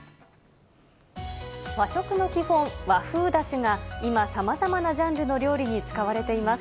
和食の基本、和風だしが今、さまざまなジャンルの料理に使われています。